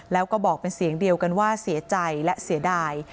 แล้วก็บอกเป็นเสียงเดียวกันว่าเสียใจและเสียดาย